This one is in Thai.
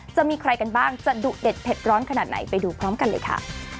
จะมีใครกันบ้างจะดุเด็ดเผ็ดร้อนขนาดไหนไปดูพร้อมกันเลยค่ะ